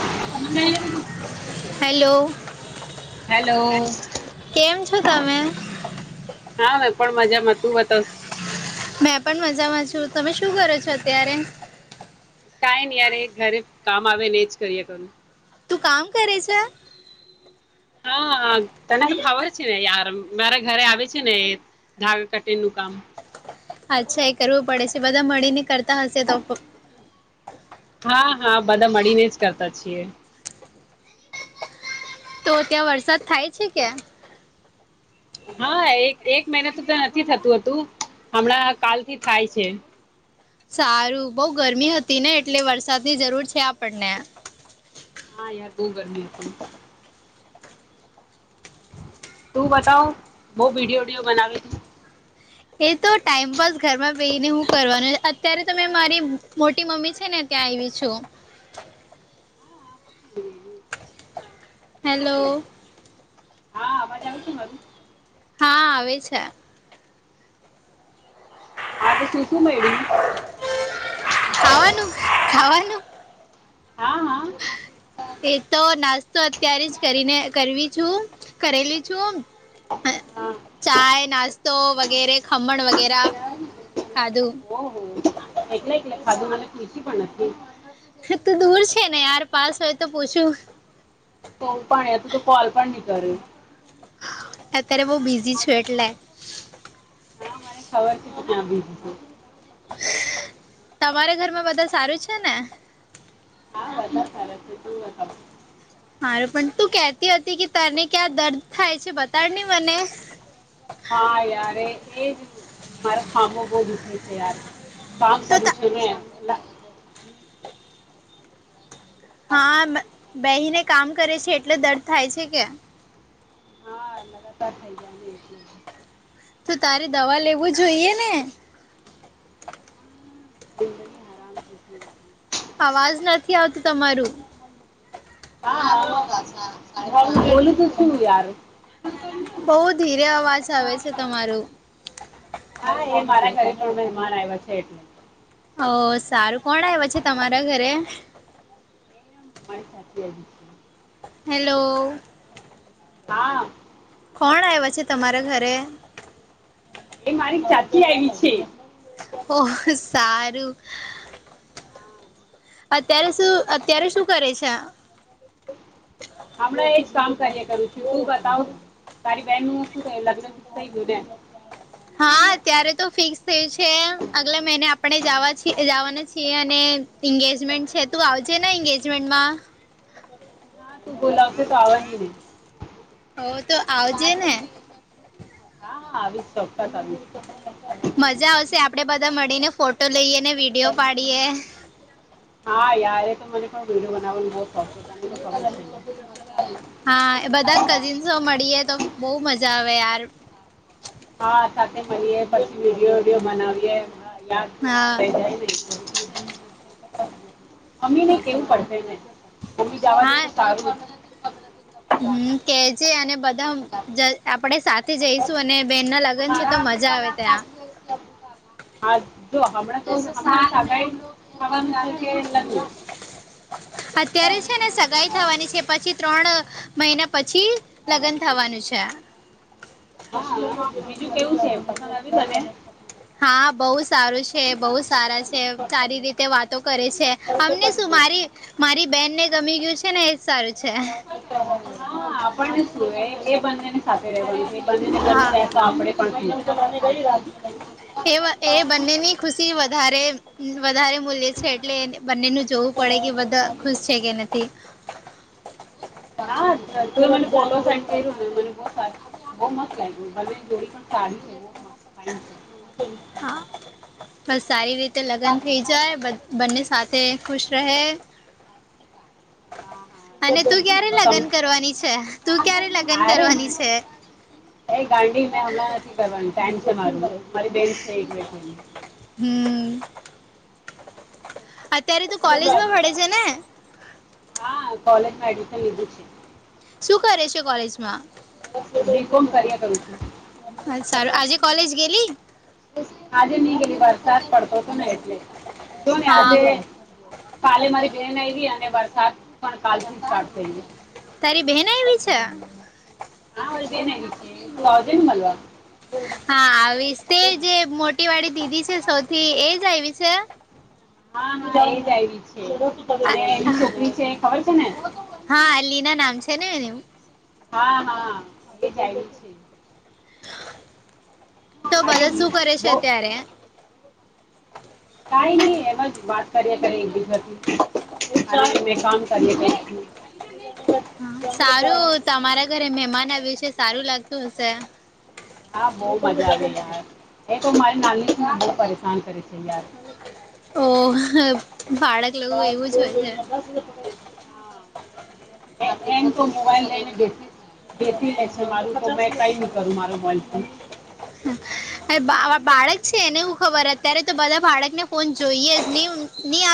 [inaudible] Hello. Hello કેમ છો તમે. માં તું બતાવ. મેં પણ મજામાં છું તમે શું કરો છો અત્યારે. કાઈ નને યાર ઘરે કામ આવે ને એજ કરીએ ઘરનું. તું કામ કરે છે. હા તને ખબર છે ને યાર મારે ઘરે આવે છે ને ધાગા કટિંગ નું કામ. અચ્છા એ કરવું પડે છે બધા મળીને કરતા હશે તો. હા હા બધા મળીને જ કરતા છીએ. તો ત્યાં વરસાદ થાય છે કે. હા એક એક મહિના તો નથી થતું હતું હમણાં કાલ થી થાય છે. સારું બઉ ગરમી હતી ને એટલે વરસાદની જરૂર છે આપણને. હા યાર બહુ ગરમી હતી. તું બતાવ બઉ વિડીયો વિડીયો બનાવે છે. એ તો ટાઈમપાસ ઘરમાં બેહી ને હું કરવાનું અત્યારે તો મેં મારી મોટી મમ્મી છે ને ત્યાં આવી છું. હેલો. હા અવાજ આવે છે મારું હા આવે છે. આ તો શું શું મેળવ્યું. ખાવાનું ખાવાનું હા હા [inaudible] એ તો નાસ્તો અત્યારે જ કરીને કરવી છું કરેલી છું. હ હા ચાય, નાસ્તો વગેરે ખમણ વગેરા. ખાધું એકલે એકલે ખાધું અને ખુશી પણ નથી. તું દૂર છે ને યાર પાસ હોય તો પૂછું. તો પણ એ તો તો કોલ પણ ની કરે. એત્યારે બહુ બીઝી છું એટલે. હા મને ખબર છે ક્યાં બીજી છે. તમારે ઘરમાં બધા સારું છે ને. હા ખબ. મારું પણ તું કેહતી હતી કે તને ક્યાં દર્દ થાય છે બતાડ ની મને. હા યાર એજ એજ મારા ખામો બહુ દુખે છે યાર. કામ કરું તો છું ને એટલા હા બા બેહીને કામ કરે છે એટલે દર્દ થાય છે કે. હા લગાતાર થઈ [inaudible] તો તારે દવા લેવું જોઈએ ને. જિંદગી હરામ છે શું બતાવું અવાજ નથી આવતું તમારું. હા હા બોલું તું શું યાર. બહુ ધીરે અવાજ આવે છે તમા હા એ મારા ઘરે કે મહેમાન આવ્યા છે એટલે. ઓહ! સારું કોણ આવ્યા છે તમારા ઘરે? ચાચી આયવી છે. હેલો હા કોણ આવ્યા છે તમારા ઘરે? એ મારી ચાચી આયવી છે. ઓહ સારું. અત્યારે શું અત્યારે શું કરે છે આ? હમણાં એજ કામ કર્યા કરું છું તું બતાવ. તારી બહેનનું શું થયું લગ્નનું તો થઈ ગયું ને? હા અત્યારે તો ફિક્સ થયું છે અગલે મહિને આપ આપણે જાવા છીએ જાવાના છીએ અને ઈગેજમેન્ટ છે તું આવજે ને એંગેજમેન્ટમાં. હા તું બોલાવશે તો આવાની ને હોવ તો હા આવજે ને. હા આવીશ ચોક્કસ આવીશ. મજા આવશે આપડે બધા મળીને ફોટો લઈએ ને વિડીયો પાડીએ. હા યાર એતો મને પણ વિડીયો બનાવવાનું બહુ શોખ છે તને તો ખબર છે ને હા એ બધા કઝિન્સો મળીએ તો બહુ મજા આવે યાર એ મલીએ પછી વિડીયો બીડીયો બનાવીએ. લ હા જઈ ર [unintelligible] મમ્મી ને કેવું પડશે એને મમ્મી જવા દે તો હા સારું હમ કેજે અને બધા જલ્દી બધા આપડે સાથ થી જઈશું અને બેન ના લગ્ન છે તો મજા આવે ત્યાં હા જો હમણાં તોવા કે લગ [unintelligible] કે પછી ત્રણ મહિના પછી લગન થવાનું છે. હા બીજું કેવું છે પસંદ આવ્યું તને હા બહુ સારું છે બહુ સારા છે સારી રીતે વાતો કરે છે અમને શું મારી મારી બેનને ગમી ગયું છે ને એજ સારું છે. ચ [unintelligible] હા આપે એ એ [unintelligible] બંનેની ખુશી વધારે વધારે મૂલ્ય છે એટલે બંનેનું જોવું પડે કે બધા ખુશ. છે કે નથી હ તું મને ફોલો કરજે મને બઉ સારું લાગ્યું બઉ મસ્ત લાગ્યું બંને ની જોડી પણ સારી છે. [unintelligible] હા બસ સારી રીતે લગન થઇ જાય બધ બંને સાથે ખુશ રહે. તો અને તું ક્યારે તમે લગન કરવાની છે? તું ક્યારે લગન અરે કરવાની છે? ટાઇમ છે મારૂ મારી બેન છે એક વચ્ચેની હમ અત્યારે તું કોલેજમાં ભણે છે ને? હા કોલેજમાં એડમિશન લીધું છે. શું કરે છે કોલેજમાં બી કોમ કાર્ય કરું છું. હા સારું આજે કોલેજ ગેલી આજે નઈ ગએલી વરસાદ પડતો તો ને એટલે જો ને હા આજે કાલે મારિ બેન ને અને વરસાદ પણ કાલ નો સ્ટાર્ટ થઇ ગયો. તારી બહેન આવી છે. હા મારી બેન આવી છે આવજે ને મળવા હા આવીશ તે જે મોટી વાડી દીદી છે સૌથી એજ આયવી છે. હા હા એઈ જ આવી છે. અને એની છોકરી છે ખબર છે ને હા લીના નામ છે ને એનું હા હા એ જાય છે. તો અરે બધા શું કરે છે બો અત્યારે કઈ નહી એમજ વાત કરીઆ કરે એકબીજાથી મે કામ કરીએ કઈ સારું તમારા ઘરે મહેમાન આ વિશે સારું લાગતું હશે. હા બઉ મજા આવે યાર એ તો મારી નાનીને બહુ પરેશાન કરે છે યાર [unintelligible] [unintelligible] લોકો એવું જ હોય છે મોબાઈલ લઈને બેસી બેસી લે મા કઈ ન કરું મારો મોબાઈલ ફોન બા બાળક છે એનેું ખબર અત્યારે તો બધા બાળકને ફોન જોઈએ ન નહી.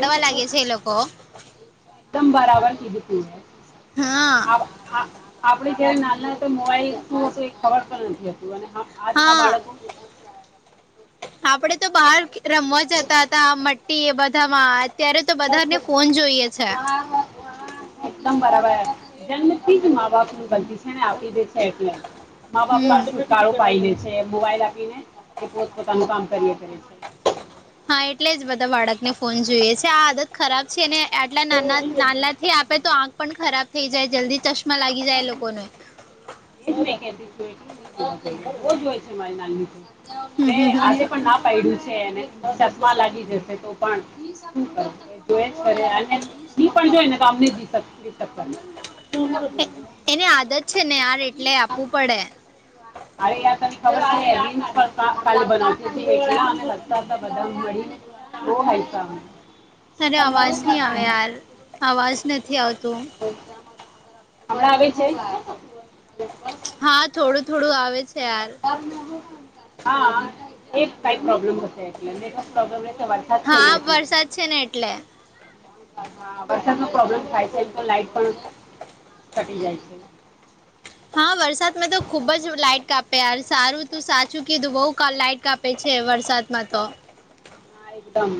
ચક્ એકદમ બરાબર. હા આપણે અત્યારે નાના તો મોવાઈલ શું હશે ખબર પણ નથી હો. આજના હા બાળકકો. આપડે તો બહાર રમવા જતા હતા મટ્ટી એ બધામાં ત્યારે તો બધાને ફોન જોઈએ છે જન્મ થી જ મા બાપ નું ગલતી છે ને આપી દે છે એટલે મા બાપ આ હમ છુટો પાી લે છે મોબાઈલ આપીને એ પોત પોતાનું કામ કરીએ કરે છે ને ફોન જોઈએ છે આ આદત ખરાબ છે ને આટલા નાના નાના થી આપે તો આંખ પણ ખરાબ થઈ જાય જલ્દી ચશ જ છે મારી નાગ મે આજે પણ ના પાડ્યું છે સતમા લાગી જશે તો પણ એ કામ ન જીક એની આદત છે ને ાર એટલે આપવું પડે અરે યાર તને કા બનાવતી એટતા બધા મળી તો હાઈ તરે અવાજ નહી આવે યાર અવાજ નથી આવતો ણા આવે છે તાર હા એક કો એલે નેટવર્ પ્રોબ્લેમ રહે વરસાદ છે ને હા એટલે વરસાદ છે ને એટલે વરસાદ ન પ્રોબ્લેમ થાય છે એમ તો લાાઈટ પણ ઘટી જાય છે. હા. વરસાદમાં તો ખુબ જ લાઈઇટ કાપે સારું ત સાચું કીધું બઉ લાઈટ કાપે છે વરસાદ. મહત્મા તો હા એકદમ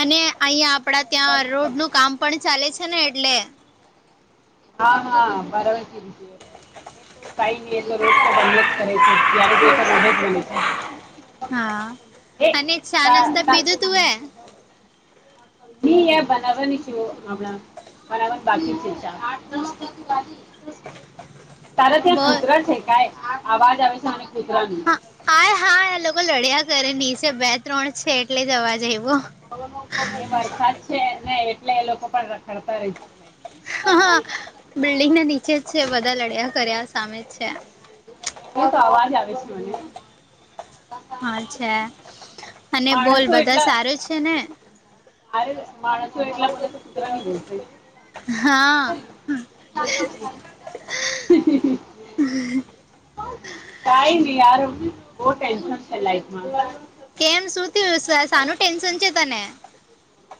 અને અહિયાં આપડા ત્યાં રોડ નું કામ પણ ચાલે છે ને એટલે હા હા બરાવય છે રી એ તો કઈ ન એટ રોજ તો અહયા જ કરે છે જ્યારેે બને છે. હા એ અને છા તા નાસ્તા તા પીધું તું એ એ બનાારની શ હળ બરાબ બાકી છે ચ આ તારેા ત્યાં બોલ નગર છે ક આ અવાજ આવે છે કૂતરાની હા આ હા આ લોકો લડ્યા કરે નીચે બે ત્રણ છે એટલે જવા જવું હ વરસાદ છે નને એટલે એ લોકો પણ રખડતા રહી જાય હા બિલ્ડિંગ ના નીચે જ છે બધા લડયા કર્યા સામે જ છે હું તો અવાજ આવેશું મને હા છે અને બોલ માણસો બધા એટલા સારું છે ને આરે માણસ વટ હા હ ટમાર છે લમાં કેમ સુું થયું સાનું ટેન્શન છે તને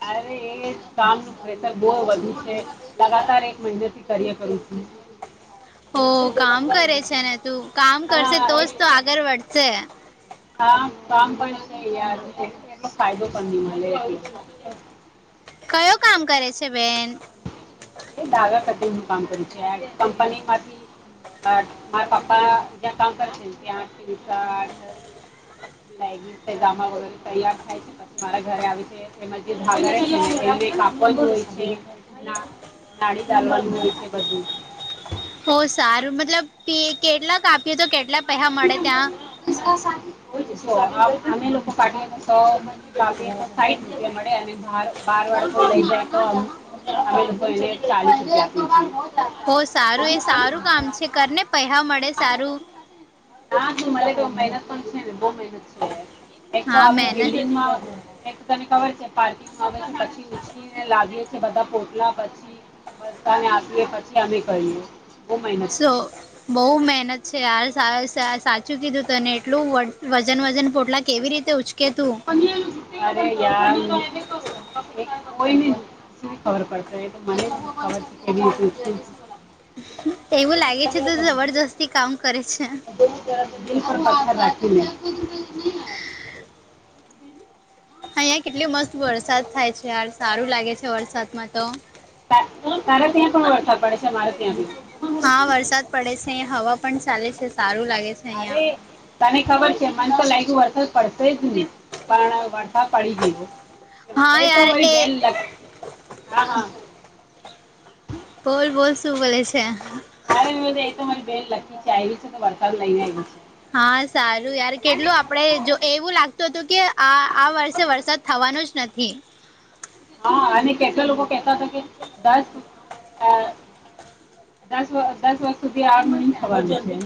અરે એ કામ નું પ્રેશર બહુ વધુ છે લગાતાર એક મહિને થી કાર્ય કરું છું [inaudible] હો કામ કરે છે ને તું કામ કરશે હા તોજ એક તો આગળ વધશે. હા કામ પણ યાર ફાયદો પણ નહી મળે. [inaudible] કયો કામ કરે છે બેન. એ દાગા કટીંગ નું કામ કરું છે યાર કંપનીમાંથી. આઠ મારા પાપ્પા જ્યા કામ કરશે તે આઠ તનશ આઠ. [inaudible] લગી ગ વગ તૈયાર થાય છે પછી મારા ઘરે આવે છે એમાં જે. હો હોય છે. હો સારું મતલબ કેટલા કાપીએ તો કેટલા પૈહા અમે મળે ત્યાં. હોય [inaudible] છે અમે લોકો કઢી તો સ મી સાઈઠ રૂપિયા મળે અને બાર વાર. લઈ જાય ચાલીસ રૂપિયા. હો છીએ સારું એ સારું કામ છે કરને પેહા મળે સારું. હા તું મને તો મહેનત પણ છે ને બહુ મહેનત છે. એક તો હા અમે મહેનત બિલ્ડીંગ માં એક તને ખબર. પાર્કિંગ આવે છે પછી ઉચકીને લાવીએ છે બધા પોટલા પછી. બઘાને આપીએ પછી અમે કરીએ. બહુ મહેનત સો છે. બહુ મહેનત. છે યાર સા સા સાચું કીધું તને એટલું વજન વજન પોટલા કેવી રીતે ઉ અરે યાર. કોઈને સુ ખબર પડશે તો મને ખબર છે કે. એવું લાગે છે તો જબરજસ્તી કામ કરે છે. દિલ પર પથ્થર રાખીને. [inaudible] અહીંયા કેટલી મસ્ત વરસાદ થાય છે યાર સારું લાગે છે વરસાદમાં તો. તા તારે ત્યાં તો વરસાદ પડે છે મારે ત્યાં તો નહીં. હા વરસાદ પડે છે અહીંયા હવા પણ ચાલે છે સારું લાગે. છે અરે અહીંયા તને ખબર છે મન તો લાયગુ વરસાદ પડસે જ નહી પણ વરસા દ પડી ગયો હા એ તો યાર વરી બેન લ હ હ. બોલ બોલ શું બોલે છે. હા મે બધ એ તો મારી બેન લકી ચાઈલ્ડ છે આવી છે તો વરસાદ લઈને આવ છે. હા સારું યાર કેટલું આપડે જો એવું લાગતું હતું કે આ આ વર્ષે વરસાદ થવાનો જ નથી. થી. હા અને કેટલા લોકો કેતા હતા કે દસ. દસ દસ વાગ સુધી આ મહને થવા જશે.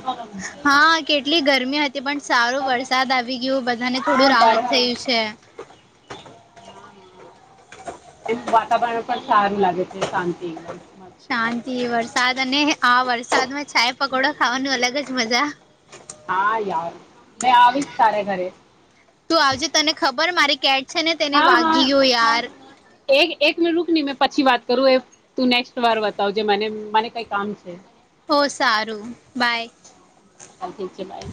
હા કેટલી ગરમી હતી પણ સારો વરસાદ આવી ગયો બધાને હા થોડું બાર રાહત થયું છે. [inaudible] હા હા એમ વાતાવરણ ઉપર. શાંતિ વરસાદ અને આ વરષ. સાથમાં ચાય પકોડો ખાવાનું અલગ જ મજા. હા યાર મે આવીશ તારે ઘરે. તું આવજે તને ખબર મારી કેટ છે ને તેને હા વાગી હા ગયો યાર. એક એક મિન રૂક ની મેં પછી વાત કરું એ તું નેક્સ્ટ વાર બતાવ જે મને મને કઈ કામ છે. હો સારું બાય. ચાલ ઠીક છે બાય.